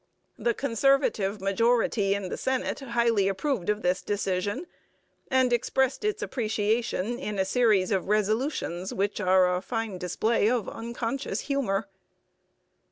The Conservative majority in the Senate highly approved of this decision, and expressed its appreciation in a series of resolutions which are a fine display of unconscious humour.